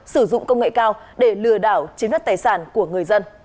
sử dụng công nghệ cao để lừa đảo chiếm đất tài sản của người dân